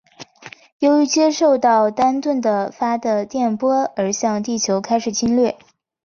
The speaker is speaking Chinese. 由于接受到丹顿的发的电波而向地球开始侵略。